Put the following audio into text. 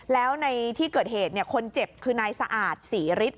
แล้วในที่เกิดเหตุคนเจ็บคือนายสะอาดศรีฤทธิ